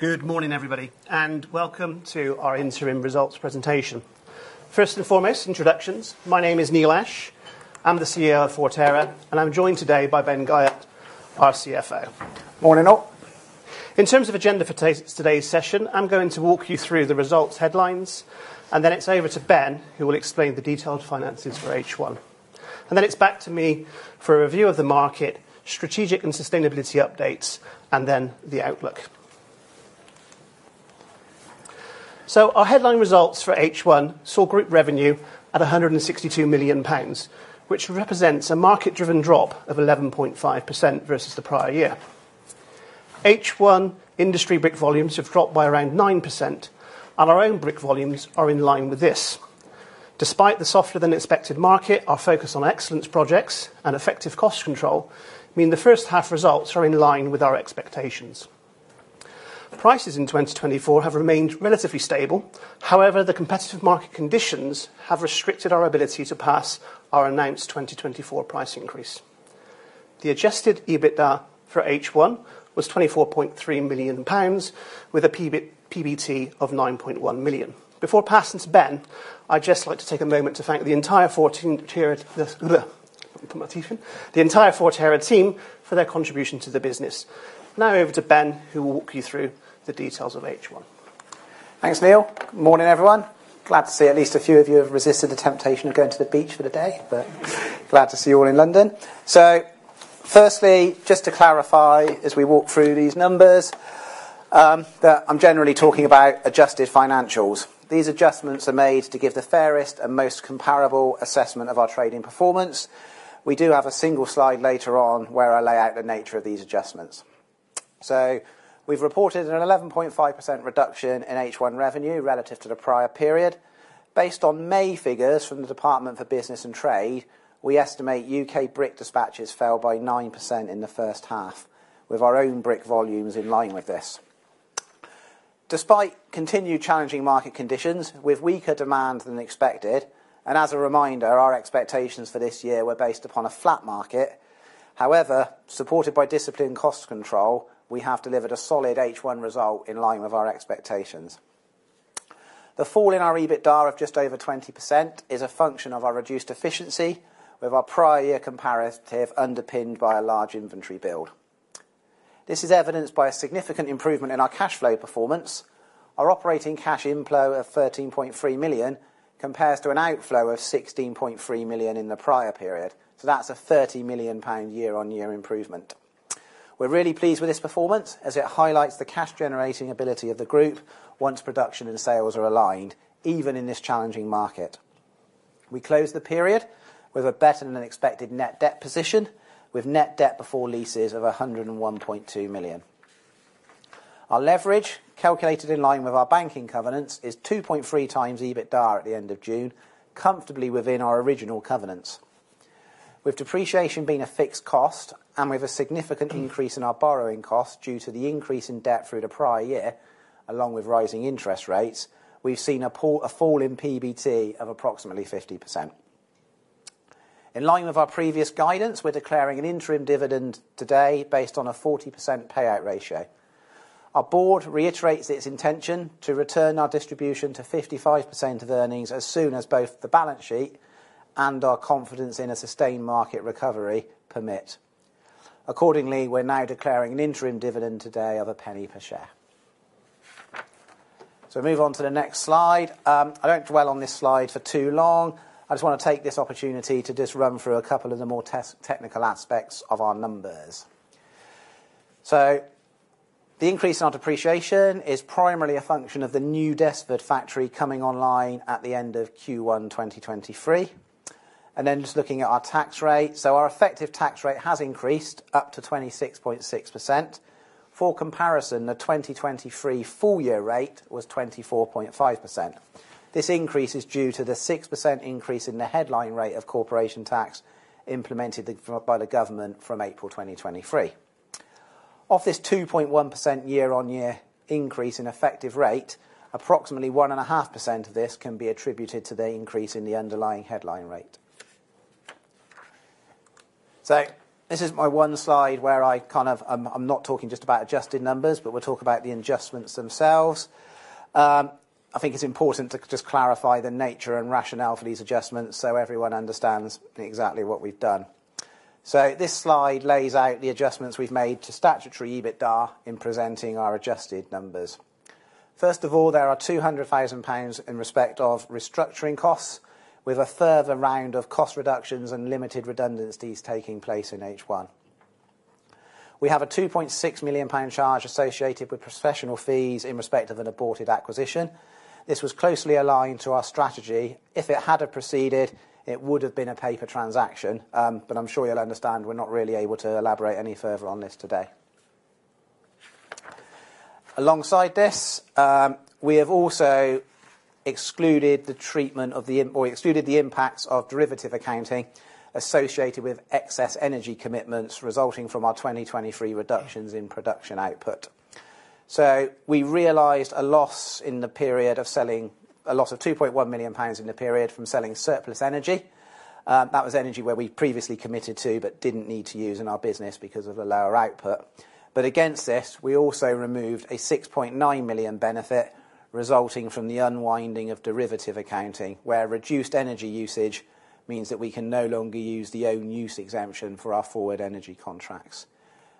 Good morning, everybody, and welcome to our interim results presentation. First and foremost, introductions. My name is Neil Ash. I'm the CEO of Forterra, and I'm joined today by Ben Guyatt, our CFO. Morning up. In terms of agenda for today's session, I'm going to walk you through the results headlines, and then it's over to Ben who will explain the detailed finances for H1. Then it's back to me for a review of the market, strategic and sustainability updates, and then the outlook. Our headline results for H1 saw group revenue at 162 million pounds, which represents a market-driven drop of 11.5% versus the prior year. H1 industry brick volumes have dropped by around 9%, and our own brick volumes are in line with this. Despite the softer-than-expected market, our focus on excellence projects and effective cost control means the first half results are in line with our expectations. Prices in 2024 have remained relatively stable. However, the competitive market conditions have restricted our ability to pass our announced 2024 price increase. The adjusted EBITDA for H1 was 24.3 million pounds, with a PBT of 9.1 million. Before passing to Ben, I'd just like to take a moment to thank the entire Forterra team for their contribution to the business. Now over to Ben who will walk you through the details of H1. Thanks, Neil. Good morning, everyone. Glad to see at least a few of you have resisted the temptation of going to the beach for the day, but glad to see you all in London. So firstly, just to clarify as we walk through these numbers, I'm generally talking about adjusted financials. These adjustments are made to give the fairest and most comparable assessment of our trading performance. We do have a single slide later on where I lay out the nature of these adjustments. So we've reported an 11.5% reduction in H1 revenue relative to the prior period. Based on May figures from the Department for Business and Trade, we estimate U.K. brick dispatches fell by 9% in the first half, with our own brick volumes in line with this. Despite continued challenging market conditions, with weaker demand than expected, and as a reminder, our expectations for this year were based upon a flat market. However, supported by disciplined cost control, we have delivered a solid H1 result in line with our expectations. The fall in our EBITDA of just over 20% is a function of our reduced efficiency, with our prior year comparative underpinned by a large inventory build. This is evidenced by a significant improvement in our cash flow performance. Our operating cash inflow of 13.3 million compares to an outflow of 16.3 million in the prior period. So that's a 30 million pound year-on-year improvement. We're really pleased with this performance as it highlights the cash-generating ability of the group once production and sales are aligned, even in this challenging market. We closed the period with a better-than-expected net debt position, with net debt before leases of 101.2 million. Our leverage, calculated in line with our banking covenants, is 2.3x EBITDA at the end of June, comfortably within our original covenants. With depreciation being a fixed cost and with a significant increase in our borrowing costs due to the increase in debt through the prior year, along with rising interest rates, we've seen a fall in PBT of approximately 50%. In line with our previous guidance, we're declaring an interim dividend today based on a 40% payout ratio. Our board reiterates its intention to return our distribution to 55% of earnings as soon as both the balance sheet and our confidence in a sustained market recovery permit. Accordingly, we're now declaring an interim dividend today of a penny per share. We move on to the next slide. I don't dwell on this slide for too long. I just want to take this opportunity to just run through a couple of the more technical aspects of our numbers. So the increase in our depreciation is primarily a function of the new Desford factory coming online at the end of Q1 2023. Then just looking at our tax rate, so our effective tax rate has increased up to 26.6%. For comparison, the 2023 full year rate was 24.5%. This increase is due to the 6% increase in the headline rate of corporation tax implemented by the government from April 2023. Of this 2.1% year-on-year increase in effective rate, approximately 1.5% of this can be attributed to the increase in the underlying headline rate. So this is my one slide where I kind of, I'm not talking just about adjusted numbers, but we'll talk about the adjustments themselves. I think it's important to just clarify the nature and rationale for these adjustments so everyone understands exactly what we've done. So this slide lays out the adjustments we've made to statutory EBITDA in presenting our adjusted numbers. First of all, there are 200,000 pounds in respect of restructuring costs with a further round of cost reductions and limited redundancies taking place in H1. We have a 2.6 million pound charge associated with professional fees in respect of an aborted acquisition. This was closely aligned to our strategy. If it had proceeded, it would have been a paper transaction, but I'm sure you'll understand we're not really able to elaborate any further on this today. Alongside this, we have also excluded the impacts of derivative accounting associated with excess energy commitments resulting from our 2023 reductions in production output. So we realized a loss in the period of selling, a loss of 2.1 million pounds in the period from selling surplus energy. That was energy where we previously committed to but didn't need to use in our business because of the lower output. But against this, we also removed a 6.9 million benefit resulting from the unwinding of derivative accounting, where reduced energy usage means that we can no longer use the own use exemption for our forward energy contracts.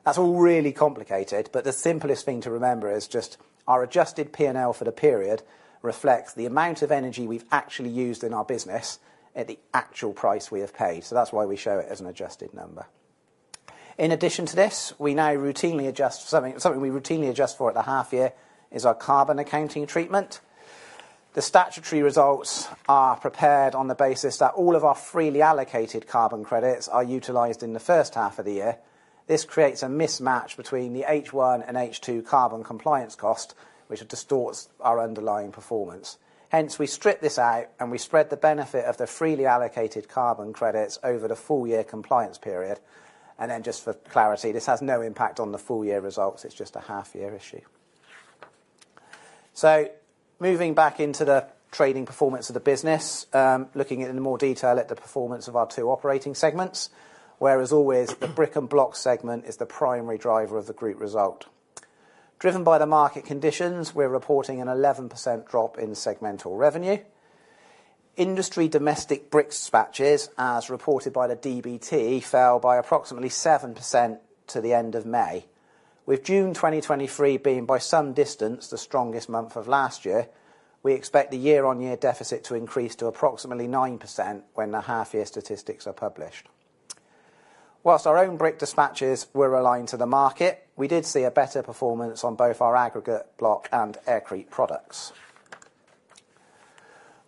That's all really complicated, but the simplest thing to remember is just our adjusted P&L for the period reflects the amount of energy we've actually used in our business at the actual price we have paid. So that's why we show it as an adjusted number. In addition to this, we now routinely adjust, something we routinely adjust for at the half year is our carbon accounting treatment. The statutory results are prepared on the basis that all of our freely allocated carbon credits are utilized in the first half of the year. This creates a mismatch between the H1 and H2 carbon compliance cost, which distorts our underlying performance. Hence, we strip this out and we spread the benefit of the freely allocated carbon credits over the full year compliance period. And then just for clarity, this has no impact on the full year results. It's just a half year issue. So moving back into the trading performance of the business, looking in more detail at the performance of our two operating segments, as always the brick and block segment is the primary driver of the group result. Driven by the market conditions, we're reporting an 11% drop in segmental revenue. Industry domestic brick dispatches, as reported by the DBT, fell by approximately 7% to the end of May. With June 2023 being by some distance the strongest month of last year, we expect the year-on-year deficit to increase to approximately 9% when the half year statistics are published. While our own brick dispatches were aligned to the market, we did see a better performance on both our aggregate block and Aircrete products.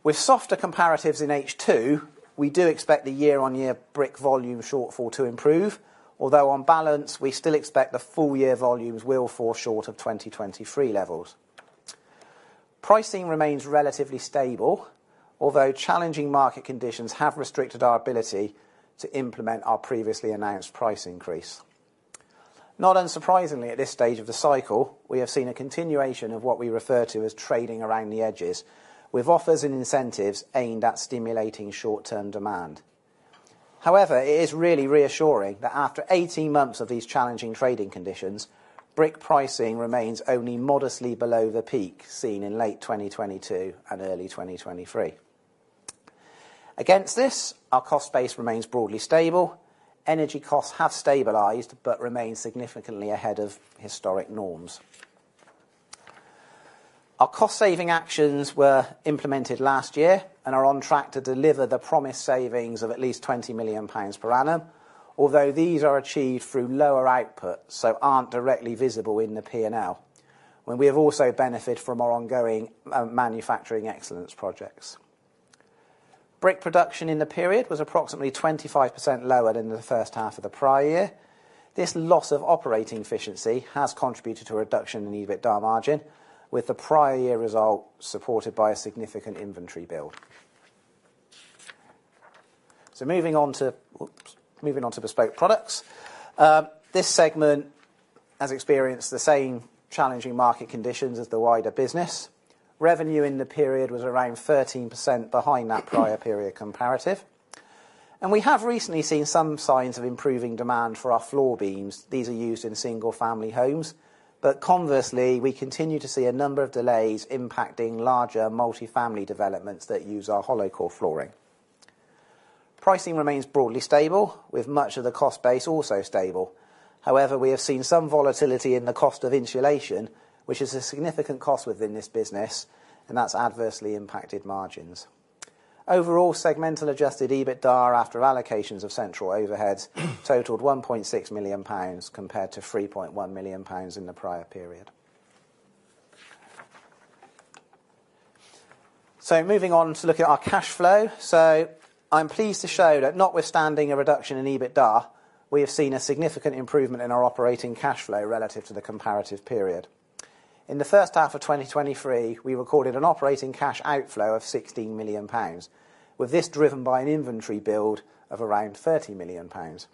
With softer comparatives in H2, we do expect the year-on-year brick volume shortfall to improve, although on balance, we still expect the full year volumes will fall short of 2023 levels. Pricing remains relatively stable, although challenging market conditions have restricted our ability to implement our previously announced price increase. Not unsurprisingly, at this stage of the cycle, we have seen a continuation of what we refer to as trading around the edges, with offers and incentives aimed at stimulating short-term demand. However, it is really reassuring that after 18 months of these challenging trading conditions, brick pricing remains only modestly below the peak seen in late 2022 and early 2023. Against this, our cost base remains broadly stable. Energy costs have stabilized but remain significantly ahead of historic norms. Our cost saving actions were implemented last year and are on track to deliver the promised savings of at least 20 million pounds per annum, although these are achieved through lower output, so aren't directly visible in the P&L, when we have also benefited from our ongoing manufacturing excellence projects. Brick production in the period was approximately 25% lower than the first half of the prior year. This loss of operating efficiency has contributed to a reduction in EBITDA margin, with the prior year result supported by a significant inventory build. Moving on to bespoke products. This segment has experienced the same challenging market conditions as the wider business. Revenue in the period was around 13% behind that prior period comparative. We have recently seen some signs of improving demand for our floor beams. These are used in single-family homes, but conversely, we continue to see a number of delays impacting larger multi-family developments that use our hollow core flooring. Pricing remains broadly stable, with much of the cost base also stable. However, we have seen some volatility in the cost of insulation, which is a significant cost within this business, and that's adversely impacted margins. Overall, segmental adjusted EBITDA after allocations of central overheads totaled 1.6 million pounds compared to 3.1 million pounds in the prior period. Moving on to look at our cash flow. I'm pleased to show that notwithstanding a reduction in EBITDA, we have seen a significant improvement in our operating cash flow relative to the comparative period. In the first half of 2023, we recorded an operating cash outflow of 16 million pounds, with this driven by an inventory build of around 30 million pounds.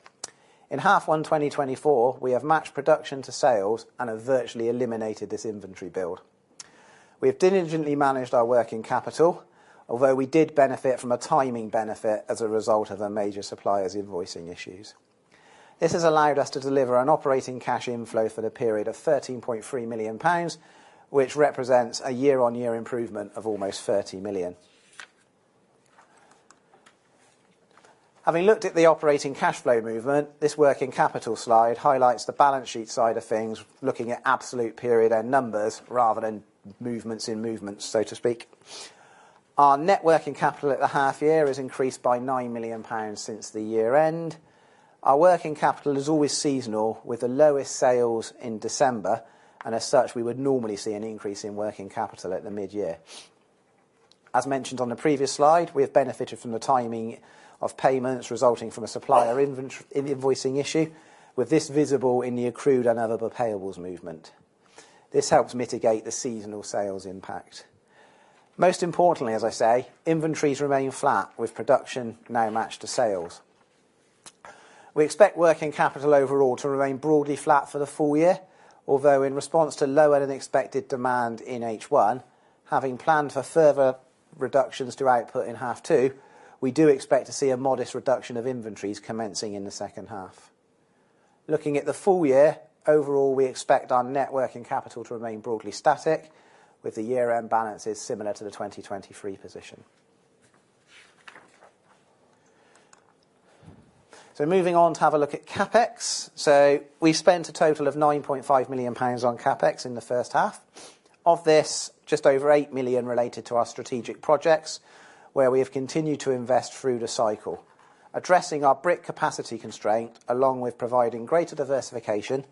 In half one 2024, we have matched production to sales and have virtually eliminated this inventory build. We have diligently managed our working capital, although we did benefit from a timing benefit as a result of a major supplier's invoicing issues. This has allowed us to deliver an operating cash inflow for the period of 13.3 million pounds, which represents a year-on-year improvement of almost 30 million. Having looked at the operating cash flow movement, this working capital slide highlights the balance sheet side of things, looking at absolute period end numbers rather than movements in movements, so to speak. Our net working capital at the half year has increased by 9 million pounds since the year-end. Our working capital is always seasonal, with the lowest sales in December, and as such, we would normally see an increase in working capital at the mid-year. As mentioned on the previous slide, we have benefited from the timing of payments resulting from a supplier invoicing issue, with this visible in the accrued and other payables movement. This helps mitigate the seasonal sales impact. Most importantly, as I say, inventories remain flat, with production now matched to sales. We expect working capital overall to remain broadly flat for the full year, although in response to lower than expected demand in H1, having planned for further reductions to output in half two, we do expect to see a modest reduction of inventories commencing in the second half. Looking at the full year, overall, we expect our net working capital to remain broadly static, with the year-end balances similar to the 2023 position. So moving on to have a look at CapEx. So we spent a total of 9.5 million pounds on CapEx in the first half. Of this, just over 8 million related to our strategic projects, where we have continued to invest through the cycle, addressing our brick capacity constraint along with providing greater diversification,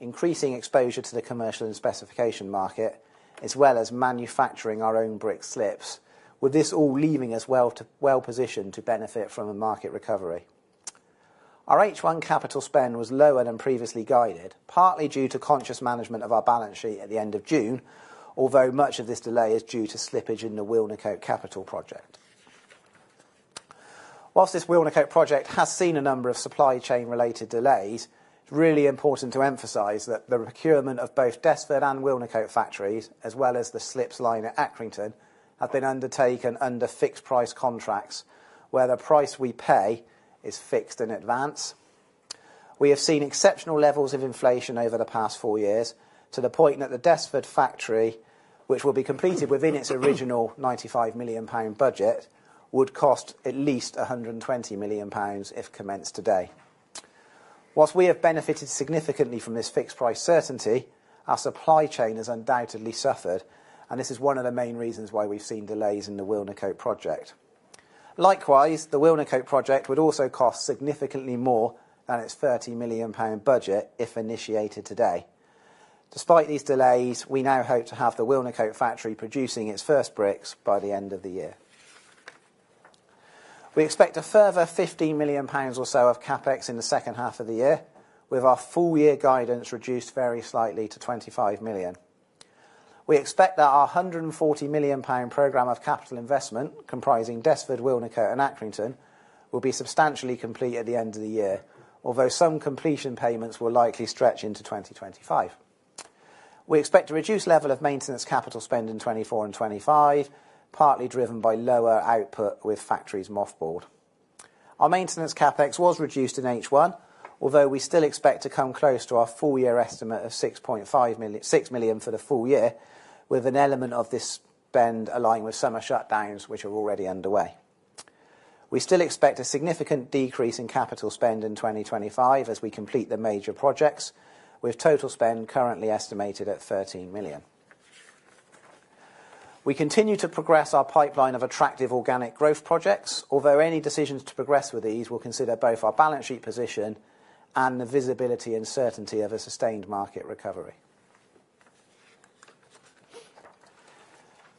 increasing exposure to the commercial and specification market, as well as manufacturing our own brick slips, with this all leaving us well positioned to benefit from a market recovery. Our H1 capital spend was lower than previously guided, partly due to conscious management of our balance sheet at the end of June, although much of this delay is due to slippage in the Wilnecote Capital project. While this Wilnecote project has seen a number of supply chain-related delays, it's really important to emphasize that the procurement of both Desford and Wilnecote factories, as well as the slip line at Accrington, have been undertaken under fixed price contracts, where the price we pay is fixed in advance. We have seen exceptional levels of inflation over the past four years, to the point that the Desford factory, which will be completed within its original 95 million pound budget, would cost at least 120 million pounds if commenced today. While we have benefited significantly from this fixed price certainty, our supply chain has undoubtedly suffered, and this is one of the main reasons why we've seen delays in the Wilnecote project. Likewise, the Wilnecote project would also cost significantly more than its 30 million pound budget if initiated today. Despite these delays, we now hope to have the Wilnecote factory producing its first bricks by the end of the year. We expect a further 15 million pounds or so of CapEx in the second half of the year, with our full year guidance reduced very slightly to 25 million. We expect that our 140 million pound program of capital investment, comprising Desford, Wilnecote, and Accrington, will be substantially complete at the end of the year, although some completion payments will likely stretch into 2025. We expect a reduced level of maintenance capital spend in 2024 and 2025, partly driven by lower output with factories mothballed. Our maintenance CapEx was reduced in H1, although we still expect to come close to our full year estimate of 6 million for the full year, with an element of this spend aligned with summer shutdowns, which are already underway. We still expect a significant decrease in capital spend in 2025 as we complete the major projects, with total spend currently estimated at 13 million. We continue to progress our pipeline of attractive organic growth projects, although any decisions to progress with these will consider both our balance sheet position and the visibility and certainty of a sustained market recovery.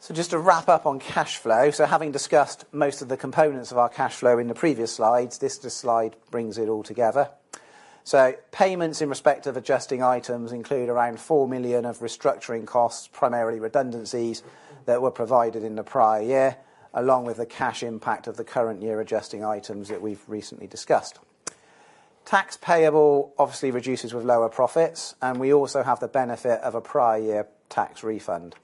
So just to wrap up on cash flow, so having discussed most of the components of our cash flow in the previous slides, this slide brings it all together. So payments in respect of adjusting items include around 4 million of restructuring costs, primarily redundancies that were provided in the prior year, along with the cash impact of the current year adjusting items that we've recently discussed. Tax payable obviously reduces with lower profits, and we also have the benefit of a prior year tax refund.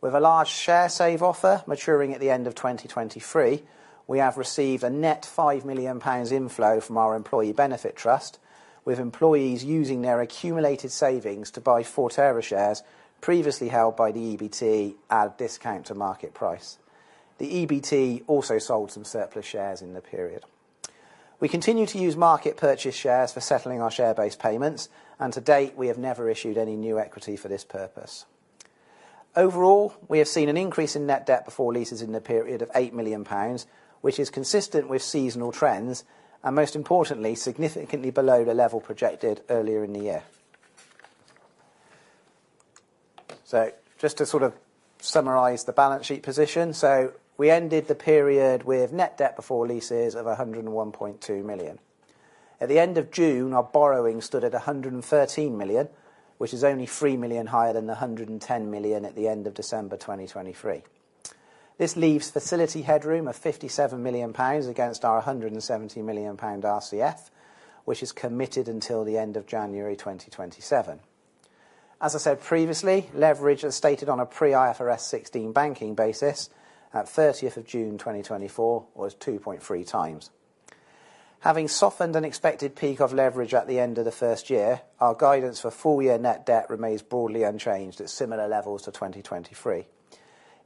With a large Sharesave offer maturing at the end of 2023, we have received a net 5 million pounds inflow from our employee benefit trust, with employees using their accumulated savings to buy Forterra shares previously held by the EBT at a discount to market price. The EBT also sold some surplus shares in the period. We continue to use market purchase shares for settling our share-based payments, and to date, we have never issued any new equity for this purpose. Overall, we have seen an increase in net debt before leases in the period of 8 million pounds, which is consistent with seasonal trends and, most importantly, significantly below the level projected earlier in the year. So just to sort of summarize the balance sheet position, so we ended the period with net debt before leases of 101.2 million. At the end of June, our borrowing stood at 113 million, which is only 3 million higher than the 110 million at the end of December 2023. This leaves facility headroom of 57 million pounds against our 170 million pound RCF, which is committed until the end of January 2027. As I said previously, leverage as stated on a pre-IFRS 16 banking basis at 30th of June 2024 was 2.3 times. Having softened an expected peak of leverage at the end of the first year, our guidance for full year net debt remains broadly unchanged at similar levels to 2023.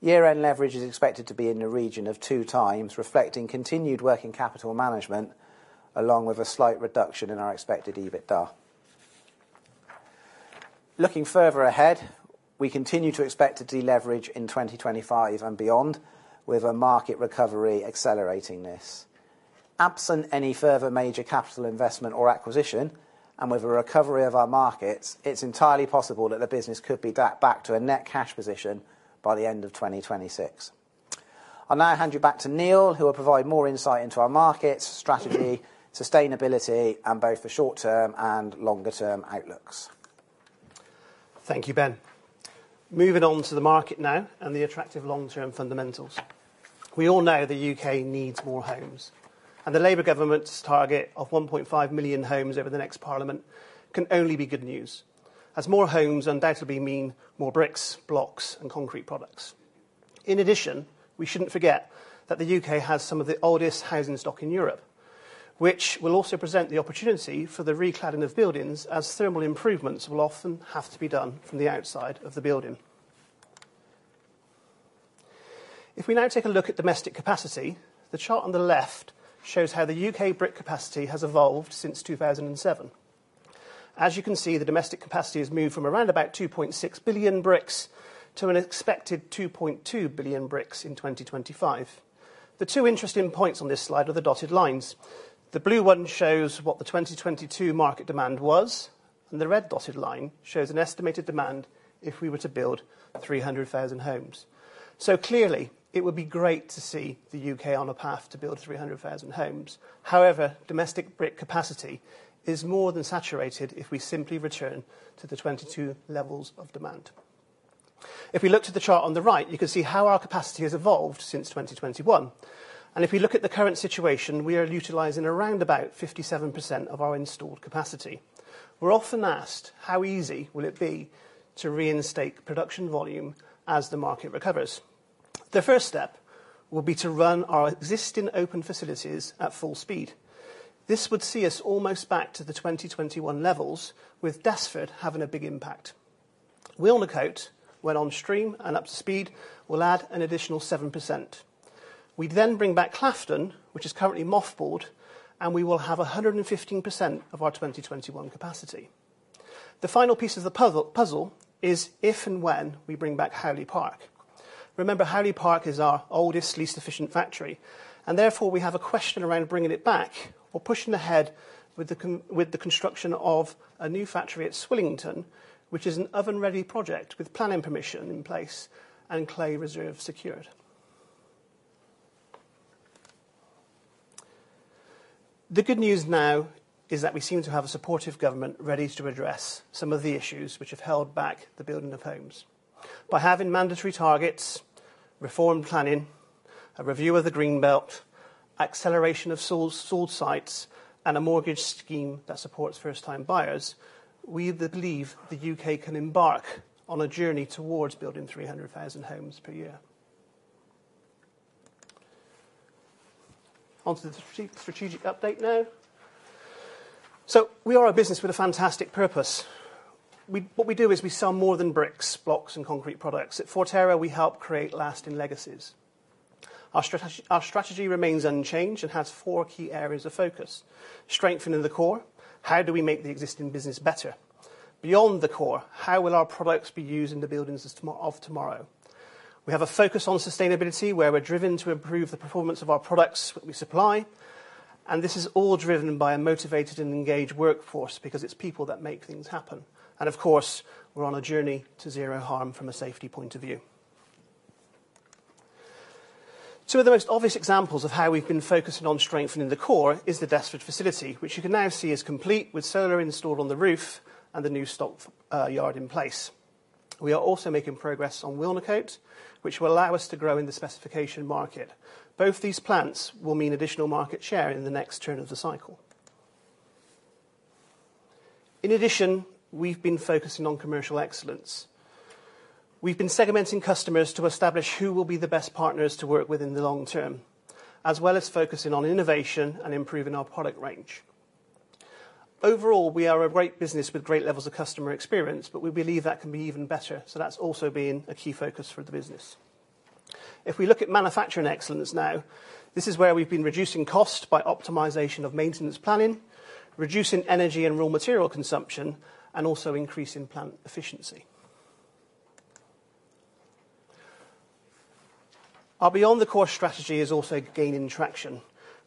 Year-end leverage is expected to be in the region of two times, reflecting continued working capital management along with a slight reduction in our expected EBITDA. Looking further ahead, we continue to expect to deleverage in 2025 and beyond, with a market recovery accelerating this. Absent any further major capital investment or acquisition, and with a recovery of our markets, it's entirely possible that the business could be back to a net cash position by the end of 2026. I'll now hand you back to Neil, who will provide more insight into our markets, strategy, sustainability, and both the short-term and longer-term outlooks. Thank you, Ben. Moving on to the market now and the attractive long-term fundamentals. We all know the U.K. needs more homes, and the Labour government's target of 1.5 million homes over the next parliament can only be good news, as more homes undoubtedly mean more bricks, blocks, and concrete products. In addition, we shouldn't forget that the UK has some of the oldest housing stock in Europe, which will also present the opportunity for the recladding of buildings as thermal improvements will often have to be done from the outside of the building. If we now take a look at domestic capacity, the chart on the left shows how the UK brick capacity has evolved since 2007. As you can see, the domestic capacity has moved from around about 2.6 billion bricks to an expected 2.2 billion bricks in 2025. The two interesting points on this slide are the dotted lines. The blue one shows what the 2022 market demand was, and the red dotted line shows an estimated demand if we were to build 300,000 homes. So clearly, it would be great to see the UK on a path to build 300,000 homes. However, domestic brick capacity is more than saturated if we simply return to the 2022 levels of demand. If we look to the chart on the right, you can see how our capacity has evolved since 2021. And if we look at the current situation, we are utilizing around about 57% of our installed capacity. We're often asked, how easy will it be to reinstate production volume as the market recovers? The first step will be to run our existing open facilities at full speed. This would see us almost back to the 2021 levels, with Desford having a big impact. Wilnecote, when on stream and up to speed, will add an additional 7%. We'd then bring back Claughton, which is currently mothballed, and we will have 115% of our 2021 capacity. The final piece of the puzzle is if and when we bring back Howley Park. Remember, Howley Park is our oldest, least efficient factory, and therefore we have a question around bringing it back or pushing ahead with the construction of a new factory at Swillington, which is an oven-ready project with planning permission in place and clay reserve secured. The good news now is that we seem to have a supportive government ready to address some of the issues which have held back the building of homes. By having mandatory targets, reform planning, a review of the green belt, acceleration of sold sites, and a mortgage scheme that supports first-time buyers, we believe the U.K. can embark on a journey towards building 300,000 homes per year. Onto the strategic update now. So we are a business with a fantastic purpose. What we do is we sell more than bricks, blocks, and concrete products. At Forterra, we help create lasting legacies. Our strategy remains unchanged and has four key areas of focus. Strengthening the core, how do we make the existing business better? Beyond the core, how will our products be used in the buildings of tomorrow? We have a focus on sustainability, where we're driven to improve the performance of our products that we supply, and this is all driven by a motivated and engaged workforce because it's people that make things happen. And of course, we're on a journey to zero harm from a safety point of view. Two of the most obvious examples of how we've been focusing on strengthening the core is the Desford facility, which you can now see is complete with solar installed on the roof and the new stock yard in place. We are also making progress on Wilnecote, which will allow us to grow in the specification market. Both these plants will mean additional market share in the next turn of the cycle. In addition, we've been focusing on commercial excellence. We've been segmenting customers to establish who will be the best partners to work with in the long term, as well as focusing on innovation and improving our product range. Overall, we are a great business with great levels of customer experience, but we believe that can be even better, so that's also been a key focus for the business. If we look at manufacturing excellence now, this is where we've been reducing costs by optimization of maintenance planning, reducing energy and raw material consumption, and also increasing plant efficiency. Our beyond the core strategy is also gaining traction.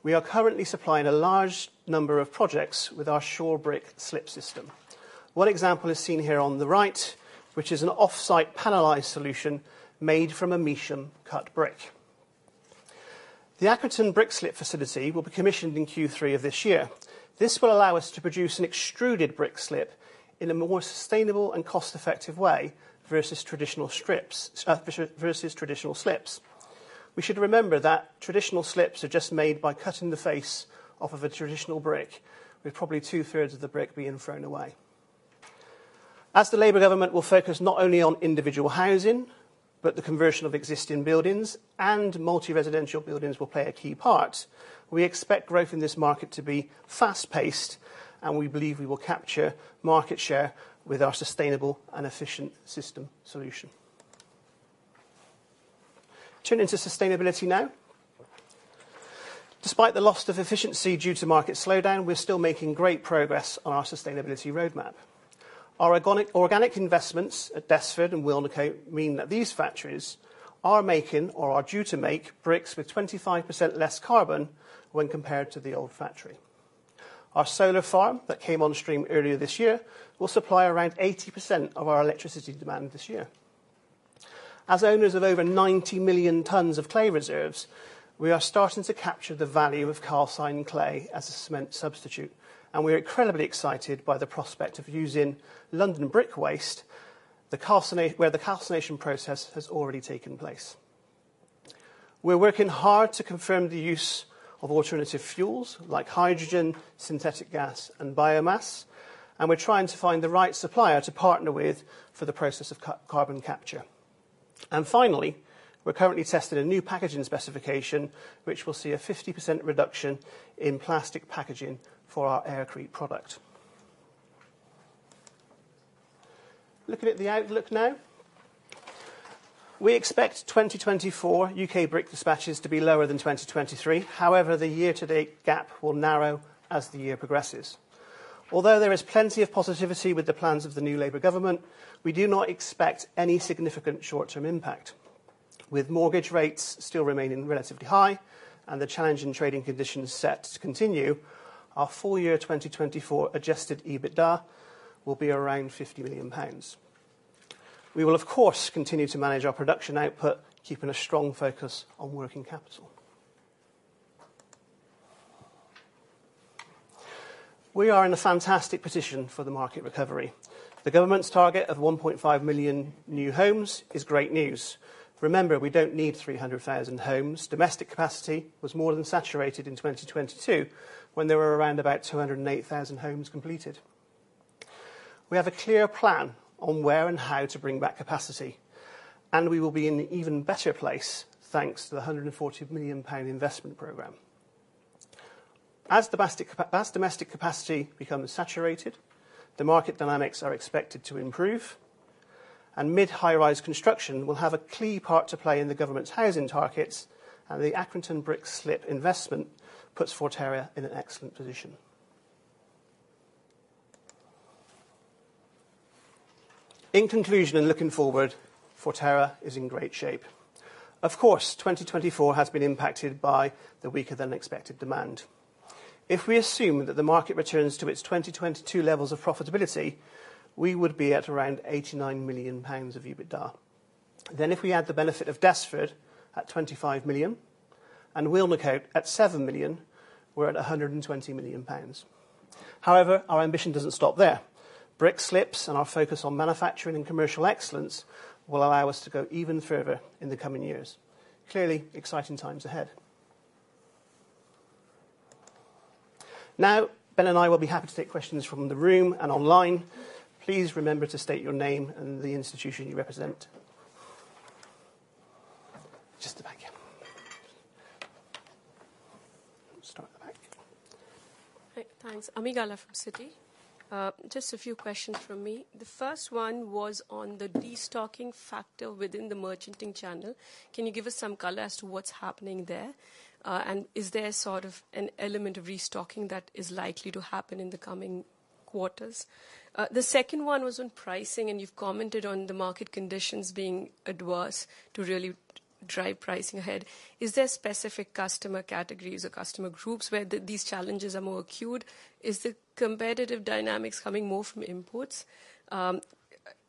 We are currently supplying a large number of projects with our SureBrick Slip system. One example is seen here on the right, which is an off-site panelized solution made from a Mecham cut brick. The Accrington Brick Slip facility will be commissioned in Q3 of this year. This will allow us to produce an extruded brick slip in a more sustainable and cost-effective way versus traditional slips. We should remember that traditional slips are just made by cutting the face off of a traditional brick, with probably two-thirds of the brick being thrown away. As the Labor government will focus not only on individual housing, but the conversion of existing buildings and multi-residential buildings will play a key part. We expect growth in this market to be fast-paced, and we believe we will capture market share with our sustainable and efficient system solution. Turning to sustainability now. Despite the loss of efficiency due to market slowdown, we're still making great progress on our sustainability roadmap. Our organic investments at Desford and Wilnecote mean that these factories are making or are due to make bricks with 25% less carbon when compared to the old factory. Our solar farm that came on stream earlier this year will supply around 80% of our electricity demand this year. As owners of over 90 million tons of clay reserves, we are starting to capture the value of calcined clay as a cement substitute, and we're incredibly excited by the prospect of using London Brick waste, where the calcination process has already taken place. We're working hard to confirm the use of alternative fuels like hydrogen, synthetic gas, and biomass, and we're trying to find the right supplier to partner with for the process of carbon capture. Finally, we're currently testing a new packaging specification, which will see a 50% reduction in plastic packaging for our Aircrete product. Looking at the outlook now, we expect 2024 UK brick dispatches to be lower than 2023. However, the year-to-date gap will narrow as the year progresses. Although there is plenty of positivity with the plans of the new Labour government, we do not expect any significant short-term impact. With mortgage rates still remaining relatively high and the challenging trading conditions set to continue, our full year 2024 Adjusted EBITDA will be around 50 million pounds. We will, of course, continue to manage our production output, keeping a strong focus on working capital. We are in a fantastic position for the market recovery. The government's target of 1.5 million new homes is great news. Remember, we don't need 300,000 homes. Domestic capacity was more than saturated in 2022 when there were around about 208,000 homes completed. We have a clear plan on where and how to bring back capacity, and we will be in an even better place thanks to the 140 million pound investment program. As domestic capacity becomes saturated, the market dynamics are expected to improve, and mid-high-rise construction will have a key part to play in the government's housing targets, and the Accrington Brick Slip investment puts Forterra in an excellent position. In conclusion and looking forward, Forterra is in great shape. Of course, 2024 has been impacted by the weaker-than-expected demand. If we assume that the market returns to its 2022 levels of profitability, we would be at around 89 million pounds of EBITDA. Then, if we add the benefit of Desford at 25 million and Wilnecote at 7 million, we're at 120 million pounds. However, our ambition doesn't stop there. Brick slips and our focus on manufacturing and commercial excellence will allow us to go even further in the coming years. Clearly, exciting times ahead. Now, Ben and I will be happy to take questions from the room and online. Please remember to state your name and the institution you represent. Just the back here. Start at the back. Thanks. Ami Galla from Citi. Just a few questions from me. The first one was on the restocking factor within the merchanting channel. Can you give us some color as to what's happening there? And is there sort of an element of restocking that is likely to happen in the coming quarters? The second one was on pricing, and you've commented on the market conditions being adverse to really drive pricing ahead. Is there specific customer categories or customer groups where these challenges are more acute? Is the competitive dynamics coming more from imports? And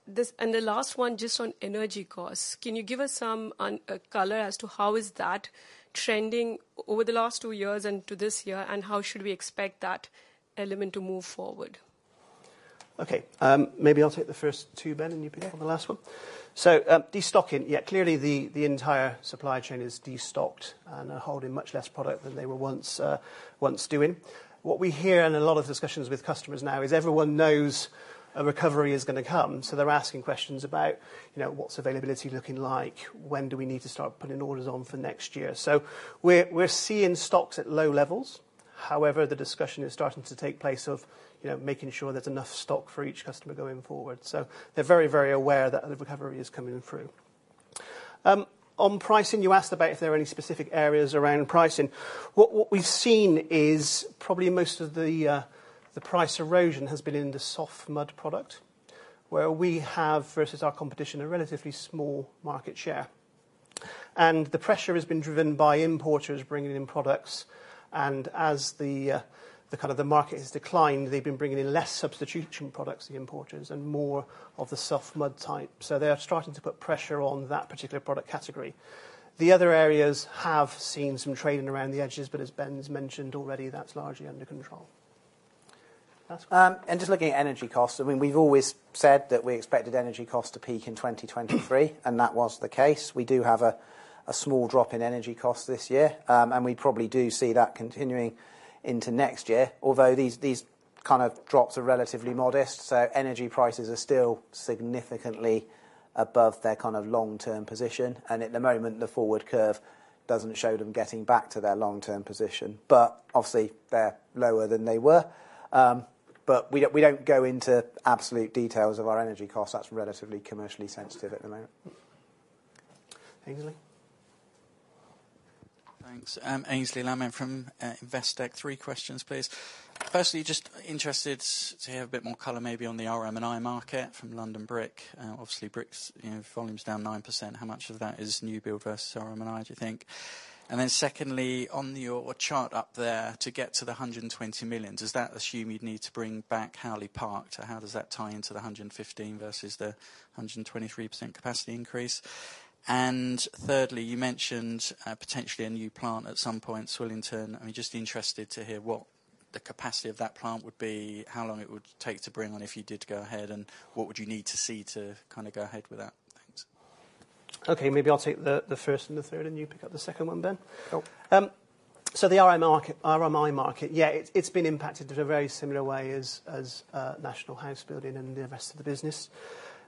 the last one, just on energy costs, can you give us some color as to how is that trending over the last two years and to this year, and how should we expect that element to move forward? Okay. Maybe I'll take the first two, Ben, and you pick on the last one. So destocking, yeah, clearly the entire supply chain is destocked and holding much less product than they were once doing. What we hear in a lot of discussions with customers now is everyone knows a recovery is going to come, so they're asking questions about what's availability looking like, when do we need to start putting orders on for next year. So we're seeing stocks at low levels. However, the discussion is starting to take place of making sure there's enough stock for each customer going forward. So they're very, very aware that the recovery is coming through. On pricing, you asked about if there are any specific areas around pricing. What we've seen is probably most of the price erosion has been in the soft mud product, where we have, versus our competition, a relatively small market share. And the pressure has been driven by importers bringing in products, and as the kind of market has declined, they've been bringing in less substitution products than importers and more of the soft mud type. So they're starting to put pressure on that particular product category. The other areas have seen some trading around the edges, but as Ben's mentioned already, that's largely under control. And just looking at energy costs, I mean, we've always said that we expected energy costs to peak in 2023, and that was the case. We do have a small drop in energy costs this year, and we probably do see that continuing into next year, although these kind of drops are relatively modest. So energy prices are still significantly above their kind of long-term position, and at the moment, the forward curve doesn't show them getting back to their long-term position, but obviously, they're lower than they were. But we don't go into absolute details of our energy costs. That's relatively commercially sensitive at the moment. Aynsley. Thanks. Aynsley Lammin from Investec. Three questions, please. Firstly, just interested to have a bit more color maybe on the RM&I market from London Brick. Obviously, Brick's volume's down 9%. How much of that is new build versus RM&I, do you think? And then secondly, on your chart up there to get to the 120 million, does that assume you'd need to bring back Howley Park? So how does that tie into the 115 versus the 123% capacity increase? And thirdly, you mentioned potentially a new plant at some point, Swillington. I mean, just interested to hear what the capacity of that plant would be, how long it would take to bring on if you did go ahead, and what would you need to see to kind of go ahead with that? Thanks. Okay. Maybe I'll take the first and the third, and you pick up the second one, Ben. So the RM&I market, yeah, it's been impacted in a very similar way as national house building and the rest of the business.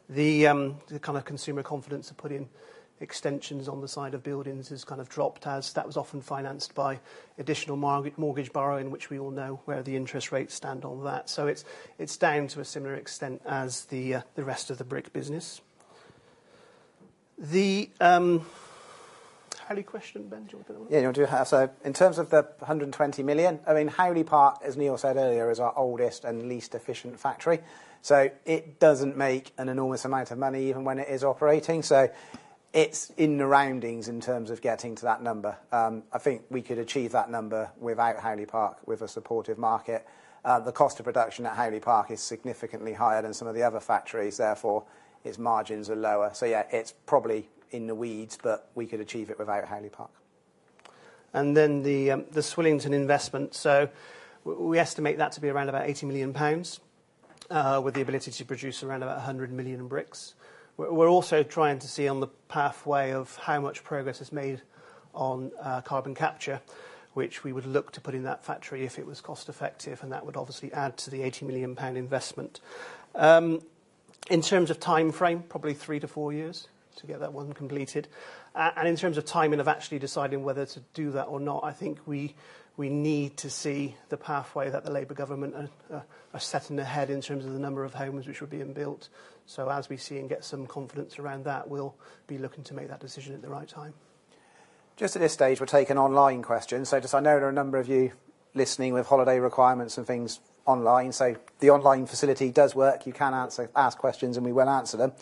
The kind of consumer confidence of putting extensions on the side of buildings has kind of dropped as that was often financed by additional mortgage borrowing, which we all know where the interest rates stand on that. So it's down to a similar extent as the rest of the brick business. The Howley question, Ben, do you want to do it? Yeah, so in terms of the 120 million, I mean, Howley Park, as Neil said earlier, is our oldest and least efficient factory. So it doesn't make an enormous amount of money even when it is operating. So it's in the roundings in terms of getting to that number. I think we could achieve that number without Howley Park, with a supportive market. The cost of production at Howley Park is significantly higher than some of the other factories. Therefore, its margins are lower. So yeah, it's probably in the weeds, but we could achieve it without Howley Park. And then the Swillington investment. So we estimate that to be around about 80 million pounds with the ability to produce around about 100 million bricks. We're also trying to see on the pathway of how much progress is made on carbon capture, which we would look to put in that factory if it was cost-effective, and that would obviously add to the 80 million pound investment. In terms of timeframe, probably three to four years to get that one completed. And in terms of timing of actually deciding whether to do that or not, I think we need to see the pathway that the Labour government are setting ahead in terms of the number of homes which will be built. So as we see and get some confidence around that, we'll be looking to make that decision at the right time. Just at this stage, we're taking online questions. So just I know there are a number of you listening with holiday requirements and things online. So the online facility does work. You can ask questions, and we will answer them.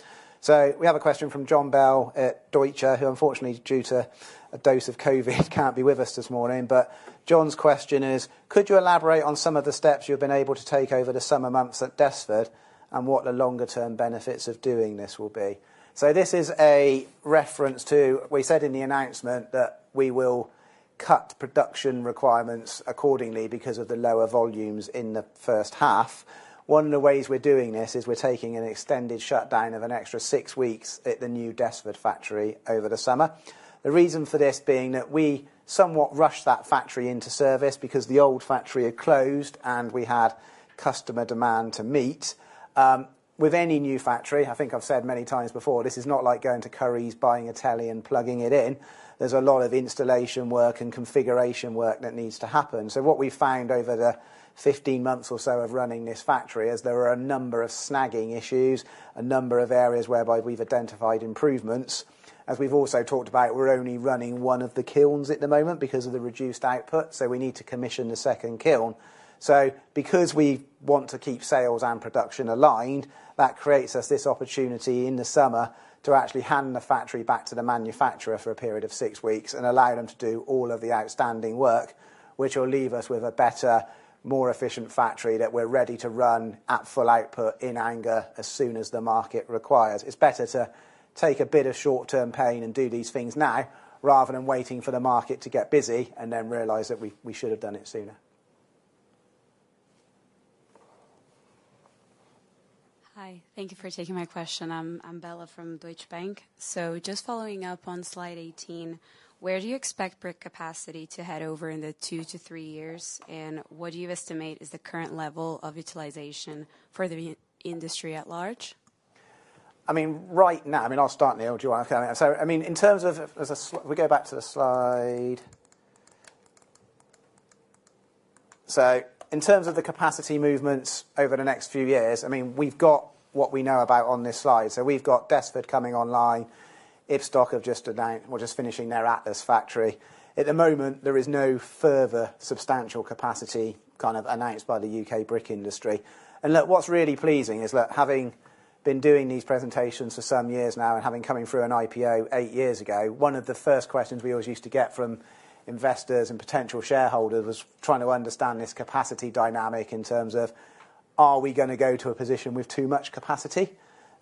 So we have a question from Jon Bell at Deutsche Bank, who unfortunately, due to a dose of COVID, can't be with us this morning. But John's question is, could you elaborate on some of the steps you've been able to take over the summer months at Desford and what the longer-term benefits of doing this will be? So this is a reference to, we said in the announcement that we will cut production requirements accordingly because of the lower volumes in the first half. One of the ways we're doing this is we're taking an extended shutdown of an extra six weeks at the new Desford factory over the summer. The reason for this being that we somewhat rushed that factory into service because the old factory had closed and we had customer demand to meet. With any new factory, I think I've said many times before, this is not like going to Currys, buying italian, and plugging it in. There's a lot of installation work and configuration work that needs to happen. So what we've found over the 15 months or so of running this factory is there are a number of snagging issues, a number of areas whereby we've identified improvements. As we've also talked about, we're only running one of the kilns at the moment because of the reduced output, so we need to commission the second kiln. Because we want to keep sales and production aligned, that creates us this opportunity in the summer to actually hand the factory back to the manufacturer for a period of six weeks and allow them to do all of the outstanding work, which will leave us with a better, more efficient factory that we're ready to run at full output in anger as soon as the market requires. It's better to take a bit of short-term pain and do these things now rather than waiting for the market to get busy and then realize that we should have done it sooner. Hi. Thank you for taking my question. I'm Bella from Deutsche Bank. So just following up on slide 18, where do you expect brick capacity to head over in the two to three years, and what do you estimate is the current level of utilization for the industry at large? I mean, right now, I mean, I'll start Neil, okay. So I mean, in terms of, we go back to the slide. So in terms of the capacity movements over the next few years, I mean, we've got what we know about on this slide. So we've got Desford coming online, Ibstock have just announced, we're just finishing their Atlas factory. At the moment, there is no further substantial capacity kind of announced by the U.K. brick industry. And look, what's really pleasing is look, having been doing these presentations for some years now and having come in through an IPO eight years ago, one of the first questions we always used to get from investors and potential shareholders was trying to understand this capacity dynamic in terms of, are we going to go to a position with too much capacity?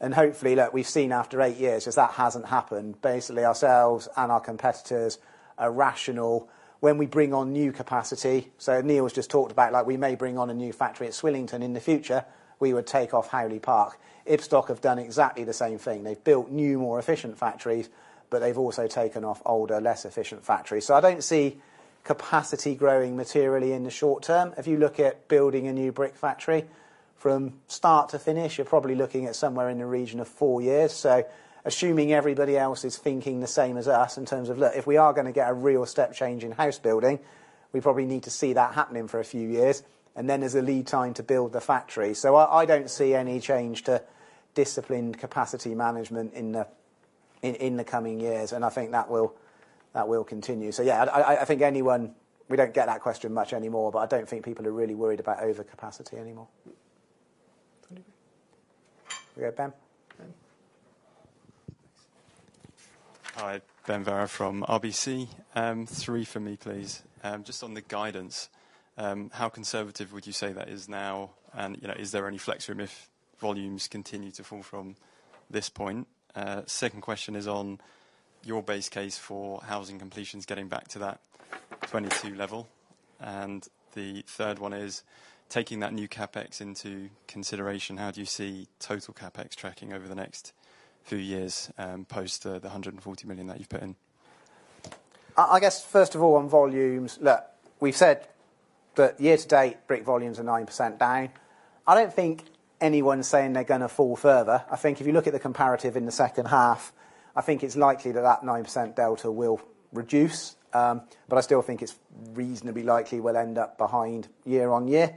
And hopefully, look, we've seen after eight years if that hasn't happened, basically ourselves and our competitors are rational when we bring on new capacity. So Neil has just talked about, like, we may bring on a new factory at Swillington in the future, we would take off Howley Park. Ibstock have done exactly the same thing. They've built new, more efficient factories, but they've also taken off older, less efficient factories. So I don't see capacity growing materially in the short term. If you look at building a new brick factory from start to finish, you're probably looking at somewhere in the region of four years. So assuming everybody else is thinking the same as us in terms of, look, if we are going to get a real step change in house building, we probably need to see that happening for a few years. And then there's a lead time to build the factory. So I don't see any change to disciplined capacity management in the coming years, and I think that will continue. So yeah, I think anyone, we don't get that question much anymore, but I don't think people are really worried about overcapacity anymore. Go ahead Ben. Hi, Ben Verra from RBC. Three for me, please. Just on the guidance, how conservative would you say that is now? And is there any flex room if volumes continue to fall from this point? Second question is on your base case for housing completions getting back to that 22 level. And the third one is taking that new CapEx into consideration, how do you see total CapEx tracking over the next few years post the 140 million that you've put in? I guess, first of all, on volumes, look, we've said that year to date, brick volumes are 9% down. I don't think anyone's saying they're going to fall further. I think if you look at the comparative in the second half, I think it's likely that that 9% delta will reduce, but I still think it's reasonably likely we'll end up behind year-on-year.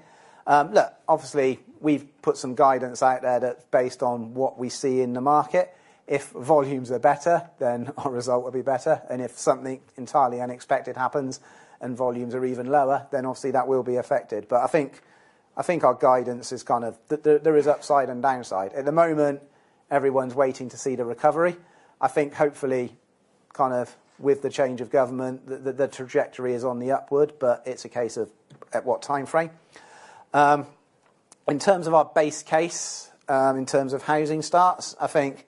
Look, obviously, we've put some guidance out there that's based on what we see in the market. If volumes are better, then our result will be better. And if something entirely unexpected happens and volumes are even lower, then obviously that will be affected. But I think our guidance is kind of there is upside and downside. At the moment, everyone's waiting to see the recovery. I think hopefully, kind of with the change of government, the trajectory is on the upward, but it's a case of at what timeframe. In terms of our base case, in terms of housing starts, I think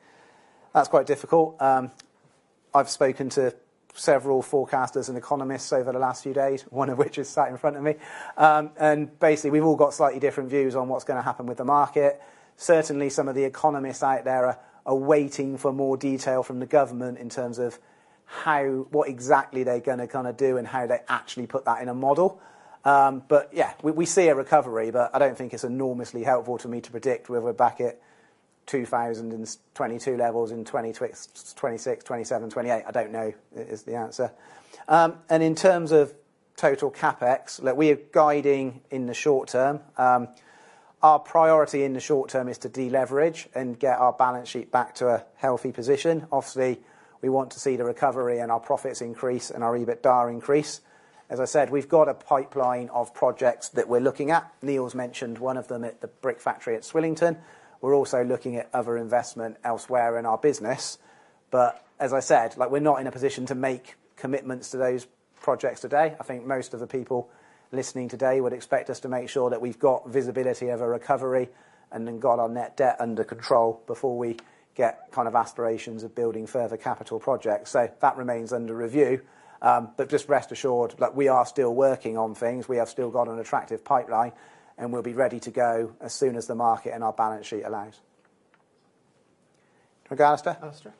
that's quite difficult. I've spoken to several forecasters and economists over the last few days, one of which is sat in front of me. And basically, we've all got slightly different views on what's going to happen with the market. Certainly, some of the economists out there are waiting for more detail from the government in terms of what exactly they're going to kind of do and how they actually put that in a model. But yeah, we see a recovery, but I don't think it's enormously helpful to me to predict whether we're back at 2022 levels in 2026, 2027, 2028. I don't know is the answer. In terms of total CapEx, look, we are guiding in the short term. Our priority in the short term is to deleverage and get our balance sheet back to a healthy position. Obviously, we want to see the recovery and our profits increase and our EBITDA increase. As I said, we've got a pipeline of projects that we're looking at. Neil's mentioned one of them at the brick factory at Swillington. We're also looking at other investment elsewhere in our business. But as I said, we're not in a position to make commitments to those projects today. I think most of the people listening today would expect us to make sure that we've got visibility of a recovery and then got our net debt under control before we get kind of aspirations of building further capital projects. So that remains under review. But just rest assured, look, we are still working on things. We have still got an attractive pipeline, and we'll be ready to go as soon as the market and our balance sheet allows. Alastair? Alastair?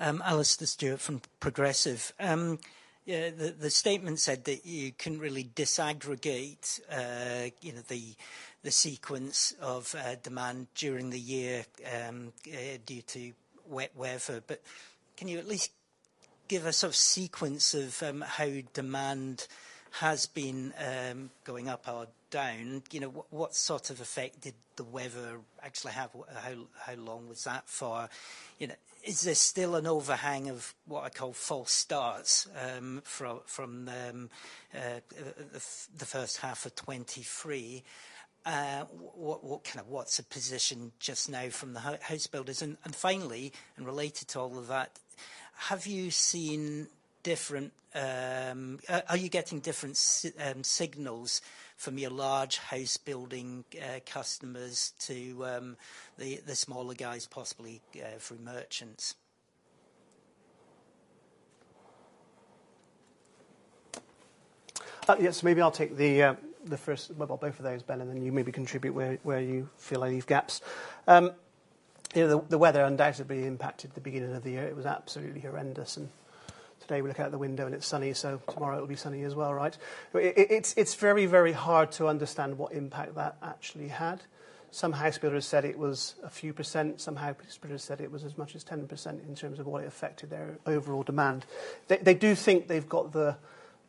Alastair Stewart from Progressive. The statement said that you couldn't really disaggregate the sequence of demand during the year due to wet weather. But can you at least give us a sequence of how demand has been going up or down? What sort of effect did the weather actually have? How long was that for? Is there still an overhang of what I call false starts from the first half of 2023? What's the position just now from the house builders? And finally, and related to all of that, are you getting different signals from your large house building customers to the smaller guys, possibly through merchants? Yes, maybe I'll take the first, well, both of those, Ben, and then you maybe contribute where you feel any gaps. The weather undoubtedly impacted the beginning of the year. It was absolutely horrendous. And today we look out the window and it's sunny, so tomorrow it'll be sunny as well, right? It's very, very hard to understand what impact that actually had. Some house builders said it was a few percent. Some house builders said it was as much as 10% in terms of what it affected their overall demand. They do think they've got the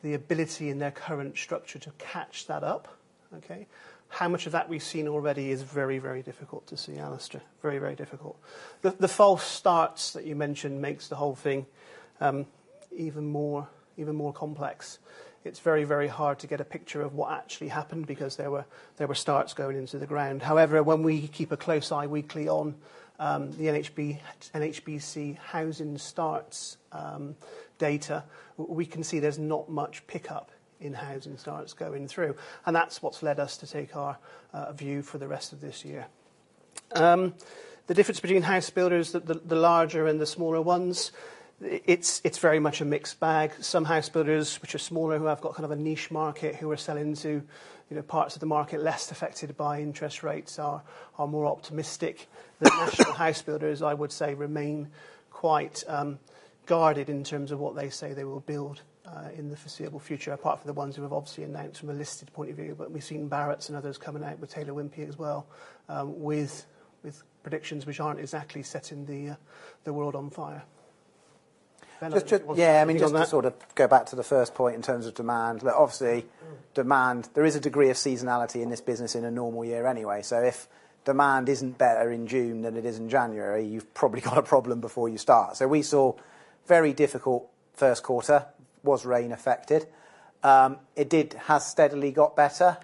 ability in their current structure to catch that up. Okay? How much of that we've seen already is very, very difficult to see, Alistair. Very, very difficult. The false starts that you mentioned makes the whole thing even more complex. It's very, very hard to get a picture of what actually happened because there were starts going into the ground. However, when we keep a close eye weekly on the NHBC housing starts data, we can see there's not much pickup in housing starts going through. And that's what's led us to take our view for the rest of this year. The difference between house builders, the larger and the smaller ones, it's very much a mixed bag. Some house builders which are smaller, who have got kind of a niche market, who are selling to parts of the market less affected by interest rates, are more optimistic. The national house builders, I would say, remain quite guarded in terms of what they say they will build in the foreseeable future, apart from the ones who have obviously announced from a listed point of view. But we've seen Barratt's and others coming out with Taylor Wimpey as well, with predictions which aren't exactly setting the world on fire. Yeah, I mean, just to sort of go back to the first point in terms of demand, look, obviously, demand, there is a degree of seasonality in this business in a normal year anyway. So if demand isn't better in June than it is in January, you've probably got a problem before you start. So we saw very difficult first quarter. Was rain affected? It has steadily got better.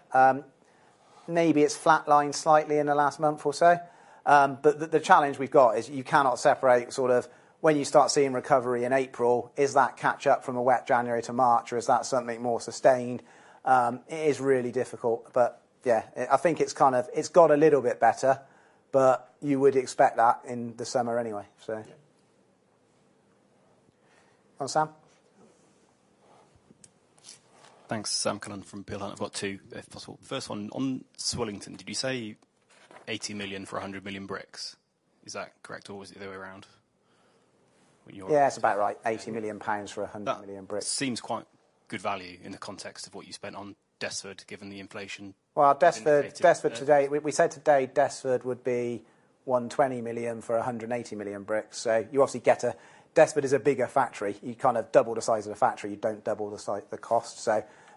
Maybe it's flatlined slightly in the last month or so. But the challenge we've got is you cannot separate sort of when you start seeing recovery in April, is that catch-up from a wet January to March, or is that something more sustained? It is really difficult. But yeah, I think it's kind of, it's got a little bit better, but you would expect that in the summer anyway, so. Sam? Thanks, Sam Cullen from Peel Hunt. I've got two, if possible. First one, on Swillington, did you say 80 million for 100 million bricks? Is that correct, or was it the other way around? Yeah, it's about right, 80 million pounds for 100 million bricks. Seems quite good value in the context of what you spent on Desford, given the inflation. Well, Desford today, we said today Desford would be 120 million for 180 million bricks. So you obviously get a Desford is a bigger factory. You kind of double the size of a factory. You don't double the cost.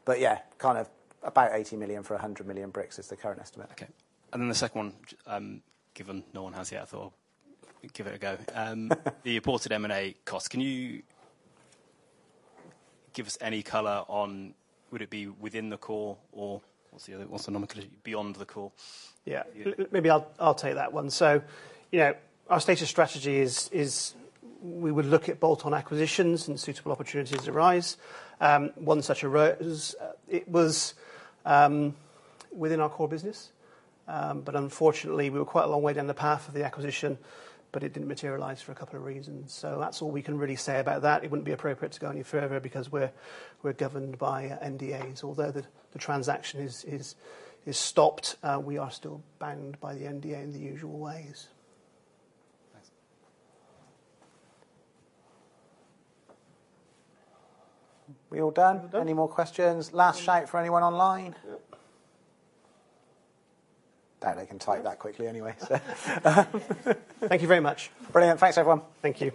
But yeah, kind of about 80 million for 100 million bricks is the current estimate. Okay. And then the second one, given no one has yet, I thought, give it a go. The aborted M&A cost, can you give us any color on would it be within the core or what's the nomenclature? Beyond the core. Yeah, maybe I'll take that one. So our stated strategy is we would look at bolt-on acquisitions and suitable opportunities that arise. One such arose was within our core business. But unfortunately, we were quite a long way down the path of the acquisition, but it didn't materialize for a couple of reasons. So that's all we can really say about that. It wouldn't be appropriate to go any further because we're governed by NDA. Although the transaction is stopped, we are still bound by the NDA in the usual ways. We're all done. Any more questions? Last shout for anyone online? They can type that quickly anyway, so. Thank you very much. Brilliant. Thanks, everyone. Thank you.